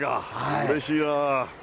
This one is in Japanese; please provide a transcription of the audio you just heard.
うれしいな。